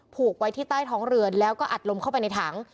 ผูกไว้ที่ใต้ท้องเรือแล้วก็อัดลมเข้าไปในถัง